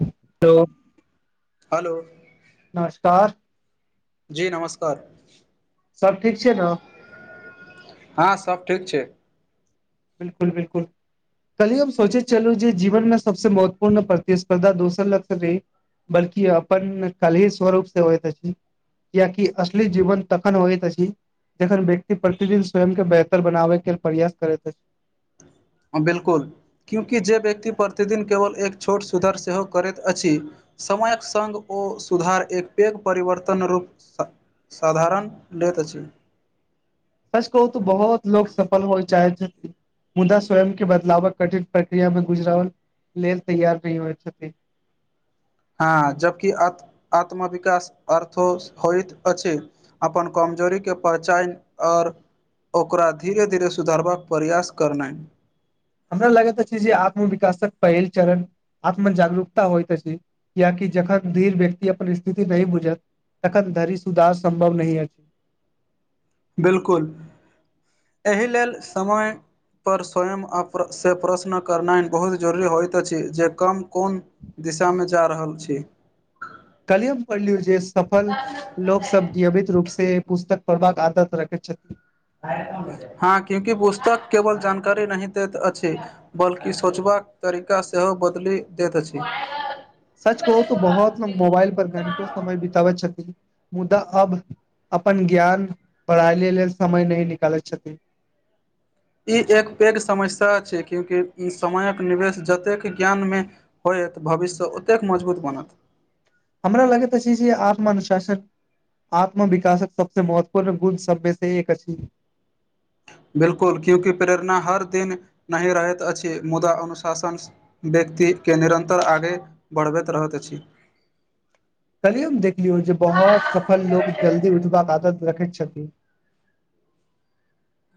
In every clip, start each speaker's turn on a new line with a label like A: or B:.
A: Hello
B: hello
A: नमस्कार
B: जी नमस्कार
A: सब ठीक छै ने
B: हँ सब ठीक छै
A: बिलकुल बिलकुल कल्ही हम सोचे चलू जे जीवन मे सबसँ महत्वपूर्ण प्रतिस्पर्धा दोसर [unintelligible] बल्कि अपन कलही स्वरूप से होइत अछि कियकी असली जीवन तखन होइत अछि जखन व्यक्ति प्रतिदिन स्वयं के बेहतर बनाबे के प्रयास करैत अछि
B: हं बिलकुल क्योंकि जे व्यक्ति प्रतिदिन केवल एक छोट सुधार सेहो करैत अछि समयक संग ओ सुधार एक पेघ परिवर्तन रूप साधारण लेैत अछि
A: सच कहू तऽ बहुत लोग सफल होइ चाहे छै मुदा स्वयं के बदलावक कठिन प्रक्रिया मे गुजरावल लेल तैयार नहि होइत छथिन
B: हां जबकि आत आत्मविकास अर्थो होइत अछि अपन कमजोरीके परचान आर ओकरा धीरे धीरे सुधारबाक प्रयास करनानि
A: हमरा लगैत अछि जे आत्मविकासक पहिल चरण आत्म जागरूकता होइतइत अछि कियाकि जखन धीर व्यक्ति अपन इस्थिति नै बुझत तखन धरि सुधार सम्भव नहि अछि
B: बिल्कुल एहि लेल समय पर स्वयं अ से प्रश्न करनाइ बहुत जरुरी होइत अछि जे कम कोन दिशामे जा रहल छी
A: कलियुग पढ़लियौ जे सफल लोक सब अबित रूप से पुस्तक पढ़बाक आदत रखैत छथिन
B: हँ क्यूं कि पुस्तक केवल जानकारी नहि दैत अछि बल्कि सोचबाक तरीका सेहो बदलि दैत अछि
A: सच कहो तो बहुत मोबाइल पर घंटो समय बिताबैत छथि मुद्दा अब अपन ज्ञान पढ़ाये लेल समय नै निकालै छथि
B: ई एक पैघ समस्या छै क्योकि समयक निवेश जतेक ज्ञानमे होइएत भविष्य ओतेक मजबूत बनत
A: हमरा लगैत अछि जे आत्मानुशासन आत्म विकासक सबसँ महत्वपूर्ण गुण सबमे से एक अछि
B: बिल्कुल क्योकि प्रेरणा हर दिन नहि रहैत अछि मुदा अनुशासनस व्यक्ति के निरन्तर आगे बढ़बैत रहैत अछि
A: कलयुग देखलियौ जे बहुत सफल लोग जल्दी उठबाक आदत रखैत छथि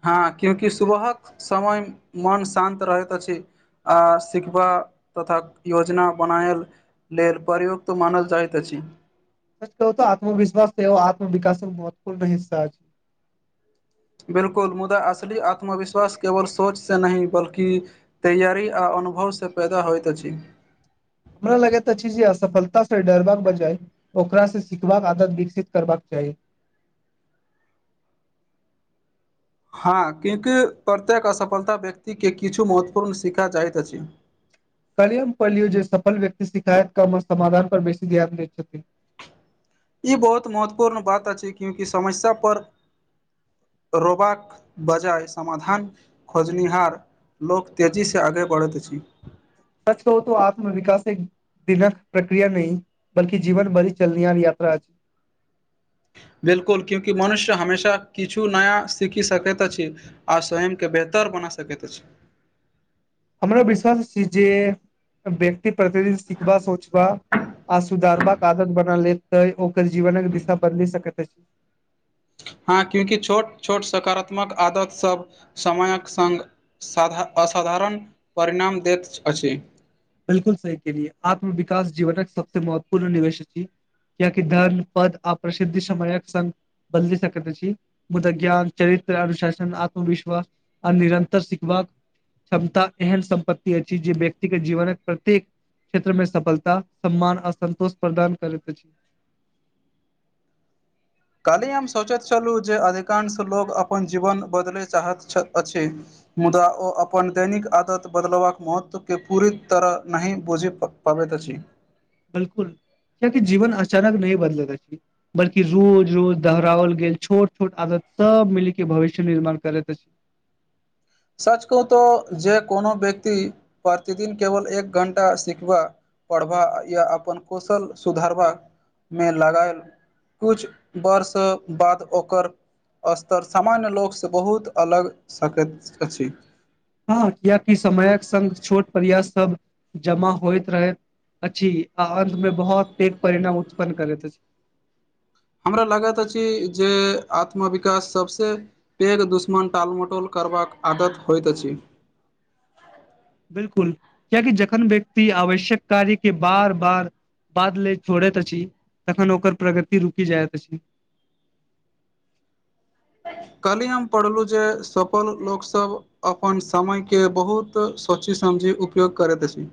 B: हँ क्योकि सुबहक समय मन शान्त रहैत अछि आ सिखबा तथा योजना बनायल लेल परयुक्त मानल जायत अछी
A: कऽ आत्मविश्वासस एओ आत्मविकास न महत्वपूर्ण हिस्सा अछ
B: बिल्कुल मुदा असल आत्मविश्वास केवल सोच से नहि बल्कि तैयारी आ अनुभवसँ पैदा होइत अछि
A: हमरा लगैत अछी जे असफलता से डरबाक बजए ओकरा से सिखबाक आदत विकसित करबाक चाही
B: हँ किक प्रत्येक असफलता व्यक्तिके किछु महत्वपूर्ण सीखा चाहैत अछि
A: कलियम पलियो जे सफल व्यक्ति शिकायत कम समाधान पर बेसी ध्यान दैत छथिन
B: ई बहुत महत्वपूर्ण बात अछि क्यूंकि समस्या पर रोबाक बजाय समाधान खोजनिहार लोक तेजीसँ आगे बढ़ैत अछि
A: सच कहो तो आत्म विकास एक दिनक प्रक्रिया नै बलकि जीवन भरि चलनी याल यात्रा अछि
B: बिल्कुल कियोकि मनुष्य हमेशा किछु नया सीखि सकैत अछि आ स्वयं के बेहतर बना सकैत अछि
A: हमरा विश्वास छै जे व्यक्ति प्रतिदिन सिखबा सोचबा आ सुधारबाक आदत बना लेत तऽ ओकर जीवनक दिशा बदलि सकैत अछि
B: हँ क्योकि छोट छोट सकारात्मक आदतसभ समयक संग साधा असाधारण परिणाम दैत अछि
A: बिल्कुल सही के लिए आत्मविकास जीवनक सबसँ महत्वपूर्ण निवेश छी याकि धर्न पद आ प्रसिद्धि समयक संघ बदलि सकैत छी मुद्दा ज्ञान चरित्र अनुशासन आत्मविश्वास आ निरन्तर सिखबाक क्षमता एहन सम्पत्ति अछि जे व्यक्ति के जीवनक प्रत्येक क्षेत्र मे सफलता सम्मान आ संन्तोष प्रदान करैत अछि
B: काल्हि हम सोचैत छलू जे अधिकांश लोग अपन जीवन बदलै चाहैत अछि मुदा ओ अपन दैनिक आदत बदलबाक महत्वकेँ पूरी तरह नहि बुझै पड़ पाबैत छी
A: बिल्कुल [inaudible] कियकि जीवन अचानक नहि बदल अछि बल्कि रोज रोज दोहराओल गेल छोट छोट आदत सब मिल के भविष्य निर्माण करैत अछि
B: सच कहू तो जे कोनो व्यक्ति प्रतिदिन केवल एक घंटा सिखबा पड़बा या अपन कौशल सुधारबामे लगायल कुछ वर्ष बाद ओकर स्तर सामान्य लोकसँ बहुत अलग सकैत अछि
A: हँ कियकि समयक संग छोट प्रयास सब जमा होइत रहै अछि आ अन्त में बहुत तेज परिणाम उत्पन्न करैत अछि
B: हमरा लागैत अछि जे आत्मविकास सभसँ पेघ दुश्मन टालमटोल करबाक आदत होइत अछि
A: बिल्कुल किया की जखन व्यक्ति आवश्यक कार्य केँ बार बार बाद ले छोड़ैत अछि तखन ओकर प्रगति रुकि जाइत अछि
B: कल्हि हम पढ़लहुँ जे सफल लोकसभ अपन समय केँ बहुत सोची समझी उपयोग करैत अछि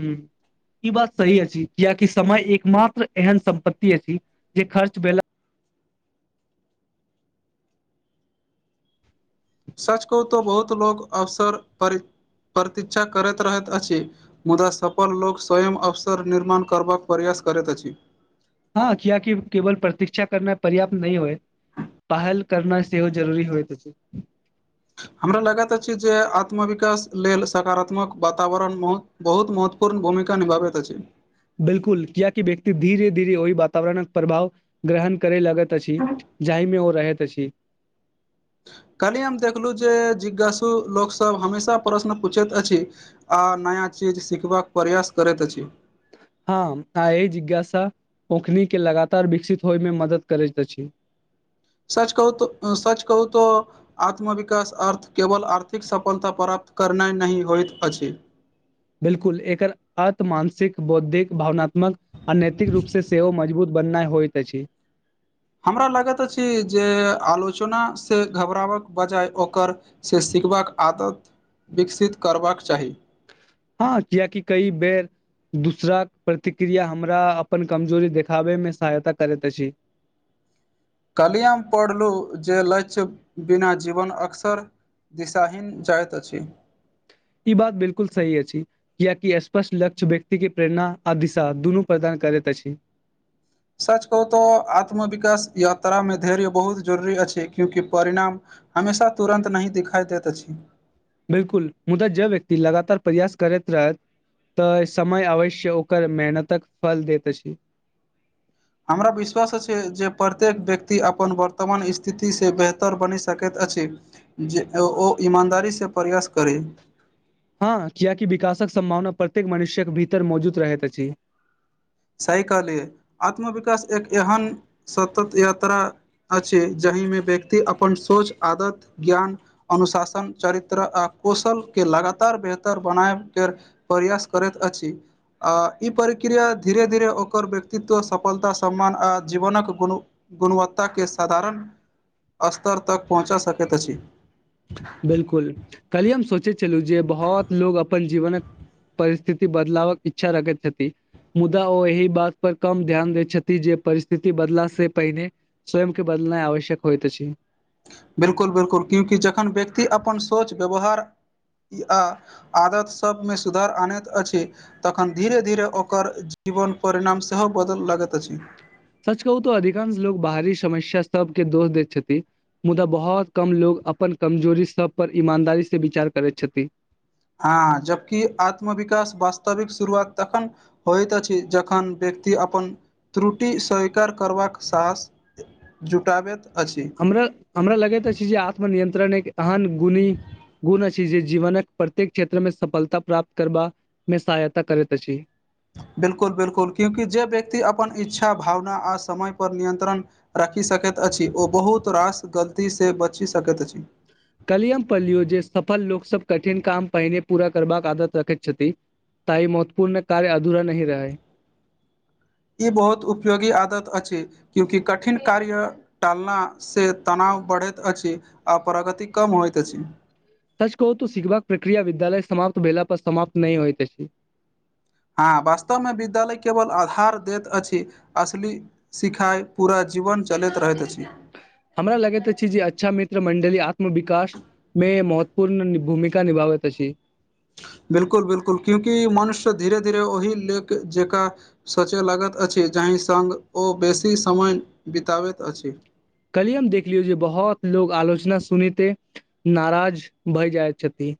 A: हूँ ई बात सही अछि कियाकि समय एक मात्र एहन सम्पत्ति अछि जे खर्च भेला
B: सच कह तो बहुत लोको अवसर पर प्रतीक्षा करैत रहैत अछि मुदा सफल लोग स्वयं अवसर निर्माण करबाक प्रयास करैत अछि
A: हँ किया की केवल प्रतीक्षा करना पर्याप्त नहि होए पहल करना सेहो जरूरी होइत अछि
B: हमरा लागैत अछि जे आत्मविकास लेल सकारात्मक वातावरण बहुत महत्वपूर्ण भूमिका निभाबित अछि
A: बिल्कुल कियाकि व्यक्ति धीरे धीरे ओहि वातावरणक प्रभाव ग्रहण करे लगत अछि जाहिमे ओ रहैत अछि
B: कल्हि हम देखलु जे जिज्ञासु लोकसभ हमेशा प्रश्न पूछैत अछि आ नया चीज सिखबाक प्रयास करैत अछि
A: हँ आ ए जिज्ञासा अखनी केँ लगातार विकसित होय मे मदद करैत अछि
B: सच कहू त सच कहू तो आत्मविकास अर्थ केवल आर्थिक सफलता प्राप्त करनाइ नहि होइत अछि
A: बिल्कुल एकर अर्त मानसिक बौद्धिक भावनात्मक आ नैतिक रूप से सेहो मजबूत बननै होइत अछि
B: हमरा लागैत अछि जे आलोचना से घबराबक बजाय ओकर से सिखबाक आदत [inaudible] विकसित करबाक चाही
A: हँ कियाकि कई बेर दूसर कऽ प्रतिक्रिया हमरा अपन कमजोरी देखाबैमे सहायता करैत अछि
B: कल्हि हम पढ़लु जे लक्ष्य बिना जीवन अक्सर दिशााहीन जाइत अछि।
A: इ बात बिल्कुल सही अछि। कियकि स्पष्ट लक्ष्य व्यक्ति के प्रेरणा आ दिशा दुनू प्रदान करैत अछि।
B: सच कहू तऽ आत्मविकास यात्रामे धैर्य बहुत जरुररी अछि क्योकि परिणाम हमेशा तुरन्त नहि दिखाइ दैत अछि।
A: बिल्कुल मुदा जे व्यक्ति लगातार प्रयास करैत रहैत तऽ समय अवश्य ओकर मेहनतक फल देत अछि।
B: हमरा विश्वास अछि जे प्रत्येक व्यक्ति अपन वर्तमान स्थिति से बेहतर बनि सकैत अछि। जे ओ ईमानदारीस प्रयास करी।
A: हँ कियाकि विकासक सम्भावना प्रत्येक मनुष्य्यक भीतर मौजूद रहैत अछि।
B: सही कहलिये आत्मविकास एक एहन सतत यात्रा अछि जहिमे व्यक्ति अपन सोच, आदत, ज्ञान अनुशासन, चरित्र आ कौशल के लगातार बेहतर बनाय के प्रयास करैत अछि आ ई प्रक्रिया धीरे धीरे ओकर व्यक्तित्व सफलता सम्मान आ जीवनक कोनो गुणवत्ताके साधारण स्तर तक पहुँचा सकैत अछि।
A: बिलकुल कल्ही हम सोचै छलू जे बहोत लोग अपन जीवनक परिस्थिति बदलावक इच्छा रखै छथी मुदा ओ एहि बात पर कम ध्यान दै छथि जे परिस्थिति बदला से पहिने स्वयंके बदलनाइ आवश्यक होइत अछि।
B: बिलकुल बिलकुल क्यूकि जखन व्यक्ति अपन सोच व्यवहार आ आदत सभमे सुधार आनैत अछि। तखन धीरे धीरे ओकर जीवन परिणाम सेहो बदल लगैत अछि।
A: सच कहू तऽ अधिकांश लोक बाहरी समस्या सबके दोष दैत छथि मुदा बहोत कम लोग अपन कमजोरी सब पर ईमानदारी से विचार करैत छथि।
B: आऽ जबकि आत्मविकास वास्तविक शुरुआत तखन होइत अछि जखन व्यक्ति अपन त्रुटि स्वीकार करबाक साहस जुटाबैत अछि।
A: हमरा हमरा लगैत अछि जे आत्मनियंत्रण एक एहन गुणी गुण अछि जे जीवनक प्रत्येक क्षेत्र मे सफलता प्राप्त करबा मे सहायता करैत अछि।
B: बिलकुल बिलकुल क्यूकि जे व्यक्ति अपन इच्छा, भावना आ समयपर नियन्त्रण राखि सकैत अछि ओ बहुत रास गलती से बचि सकैत अछि।
A: कल्ही यम पल्लियो जे सफल लोक सब कठिन काम पहिने पूरा करबाक आदत रखैत छथि। ताई महत्वपूर्ण कार्य अधूरा नहि रहै।
B: ई बहुत उपयोगी आदत अछि क्योंकि कठिन कार्य टालना से तनाव बढ़ैत अछि आ प्रगति कम होइत अछि।
A: सच कहू तू सीखबाक प्रक्रिया विद्यालय समाप्त भेला पर समाप्त नहि होइत अछि।
B: हँ वास्तवमे विद्यालय केवल आधार देत अछि असली सिखाइ पूरा जीवन चलैत रहैत अछि।
A: हमरा लगैत अछि जे अच्छा मित्र मंडली आत्मविकास मे महत्वपूर्ण भूमिका निभावत अछि।
B: बिलकुल बिलकुल क्यूंकि मनुष्य धीरे धीरे ओहि लेक जेका सोचय लागत अछि जाहि सङ्ग ओ बेसी समय बिताबैत अछि।
A: कल्हीये हम देखलियो जे बहुत लोग आलोचना सुनते नाराज भय जाय छथि।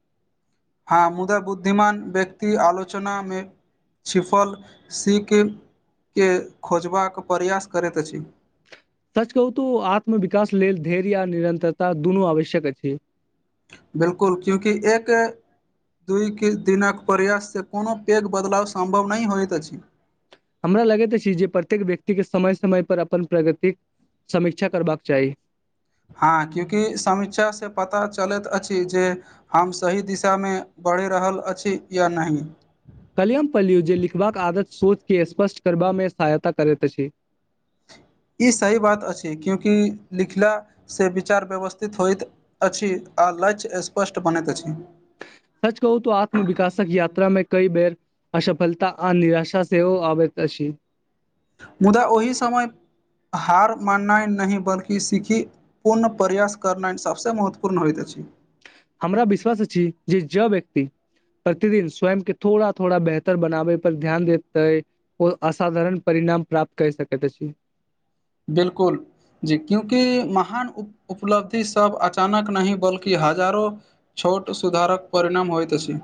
B: हां मुदा बुद्धिमान व्यक्ति आलोचना मे छिफल सी के के खोजबाक प्रयास करैत अछि।
A: सच कहू तो आत्म विकास लेल धैर्य आ निरंतरता दुनू आवश्यक अछि।
B: बिल्कूल क्युकि एक दुइ के दिनक प्रयास से कोनो पैघ बदलाव सम्भव नहि होइत अछि।
A: हमरा लगैत अछि जे प्रत्येक व्यक्तिके समय समय पर अपन प्रगतिक समीक्षा करबाक चाही।
B: हँ क्यूंकि समीक्षा से पता चलैत अछि जे हम सही दिशामे बढ़े रहल अछि या नहि?
A: कलियम पल्लू जे लिखबाक आदत सोचके स्पष्ट करबामे सहायता करैत अछि।
B: ई सही बात अछि क्योकि लिखला से विचार व्यवस्थित होइत अछि आ लक्ष्य स्पष्ट बनैत अछि।
A: सच कहू तऽ आत्मविकासक यात्रा में कई बेर आसफलता आ निराशा सेहो आबैत अछि।
B: मुदा ओहि समय हार माननाइ नहि बल्कि सिकखीत पूर्ण प्रयास करनाइ सभसँ महत्वपूर्ण होइत अछि।
A: हमरा विश्वास अछि जे ज व्यक्ति प्रतिदिन स्वयंम के थोड़ा थोड़ा बेहतर बनाबे पर ध्यान दैतय ओ असाधारण परिणाम प्राप्त कर सक त अछि।
B: बिलकुल जी क्योकि महान उ उपलब्धि सब अचानक नहि बल्कि हजारो छोट सुधारक परिणाम होइत अछि।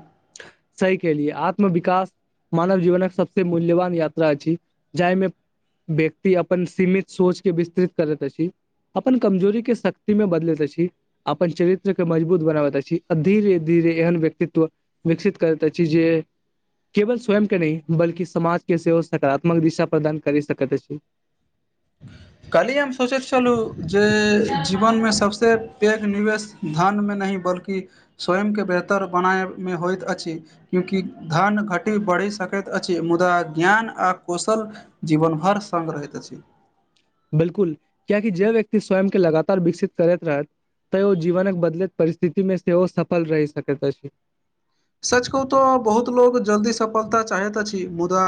A: सही के लिए आत्म विकास मानव जीवनक सबसे मूल्यवान यात्रा अछि जाइमे व्यक्ति अपन सीमीत सोच के विस्तृित करैती अछि अपन कमजोरी के शक्ति मे बदलैत अछि। अपन चरित्र के मजबूत बनाबत द छी धीरे धीरे एहन व्यक्तित्व विकसित कत्त अ छी जे केवल स्वयंम के नहि बल्कि समाज के सेहो सकारात्मक दिशा प्रदान करि सकैत अछि।
B: कली हम सोचैत छलहुँ जे जीवनमे सबसे पैघ निवेश धनमे नहि बल्कि स्वयंके बेहतर बनाबयमे होइत अछि। क्योकि धन घटी बढ़ि सकैत अछि मुदा ज्ञान आ कुशल जीवन भर सगं रहैत अछि।
A: बिलकुल क्येकि जे व्यक्ति स्वयं के लगातार विकसित करैत रहैत। तऽ ओ जीवनक बदलैत परिस्थिति मे सेहो सफल रहि सकेत अछि।
B: सच कहू तऽ बहुत लोग जल्दी सफलता चाहैत अछि मुदा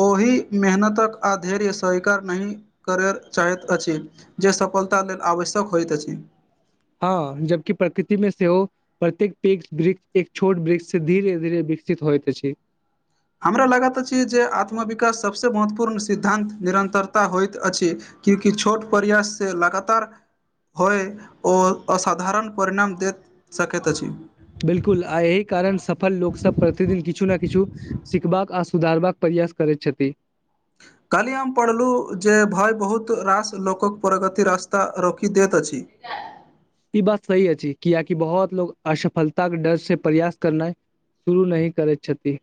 B: ओहि मेहनतक आधैर स्वीकार नहि करय चाहैत अछि। जे सफलता लेल आवश्यक होइत अछि।
A: हँ जबकि प्रकृति मे सेहो प्रत्येक पेग वृक्ष एक छोट वृक्ष से धीेरे धीरे विकसित होइत अछि।
B: हमरा लागैत अछि जे आत्मविकास सभसे महत्वपूर्ण सिद्धान्त निरन्तरता होइत अछि। कि कि छोट प्रयास से लगातार होइ ओ असाधारण परिणाम देत सकैत अछि।
A: बिलकुल आ एहि कारण सफल लोक सब प्रतिदिन किछु ना किछु सिखबाक आ सुधारबाक प्रयास करैत छथि।
B: काली हम पढ़लु जे भय बहुत रास लोकक प्रगति रास्ता रोखी दैत अछि। [inaudible]
A: ई बात सही अछि कियेकि बहुत लोग असफलता के डर से प्रयास करनैय शुरू नहि करैत छथि।